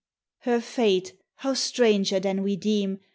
Her fate, how stranger than we deem!